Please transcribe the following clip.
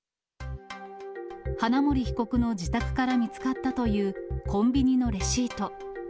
花森被告の自宅から見つかったというコンビニのレシート。